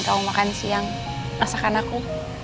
tau makan siang masakan aku